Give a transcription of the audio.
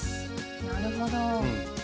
なるほど。